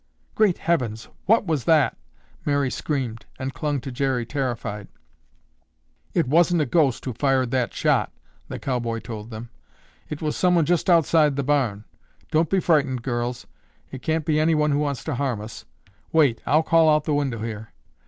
"Great heavens, what was that?" Mary screamed and clung to Jerry terrified. "It wasn't a ghost who fired that shot," the cowboy told them. "It was someone just outside the barn. Don't be frightened, girls. It can't be anyone who wants to harm us. Wait, I'll call out the window here."